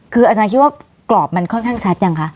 คืออาจารย์คิดว่ากรอบมันค่อนข้างชัดยังคะ